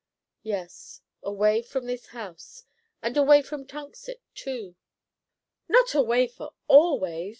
"Yes, away from this house, and away from Tunxet, too." "Not away for always?"